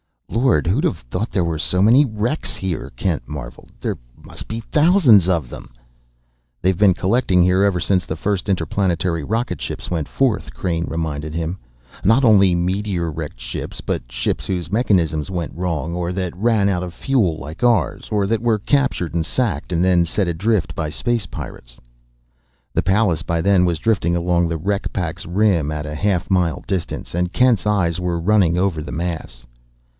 "Lord, who'd have thought there were so many wrecks here!" Kent marvelled. "There must be thousands of them!" "They've been collecting here ever since the first interplanetary rocket ships went forth," Crain reminded him. "Not only meteor wrecked ships, but ships whose mechanisms went wrong or that ran out of fuel like ours or that were captured and sacked, and then set adrift by space pirates." The Pallas by then was drifting along the wreck pack's rim at a half mile distance, and Kent's eyes were running over the mass.